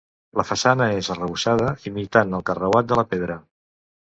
La façana és arrebossada imitant el carreuat de la pedra.